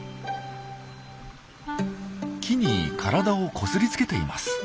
木に体をこすりつけています。